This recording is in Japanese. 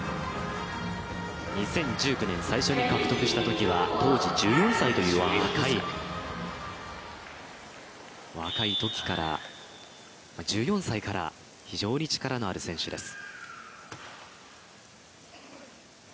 ２０１９年、最初に獲得したときは当時１４歳という若いときから非常に力のある選手です。